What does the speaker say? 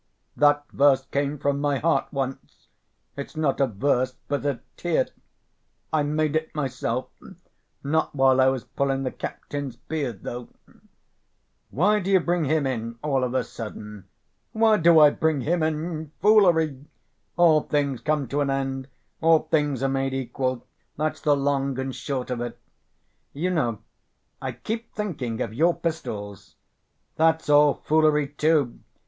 "That verse came from my heart once, it's not a verse, but a tear.... I made it myself ... not while I was pulling the captain's beard, though...." "Why do you bring him in all of a sudden?" "Why do I bring him in? Foolery! All things come to an end; all things are made equal. That's the long and short of it." "You know, I keep thinking of your pistols." "That's all foolery, too!